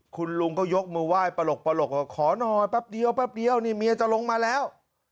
คุณลุงก็ยกมือไหว้ปลกขอหน่อยแป๊บเดียวนี่เมียจะลงมาแล้ว